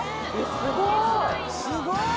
すごい！